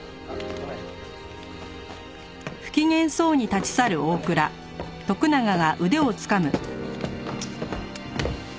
ごめんね。